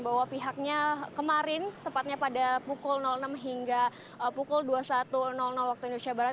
bahwa pihaknya kemarin tepatnya pada pukul enam hingga pukul dua puluh satu waktu indonesia barat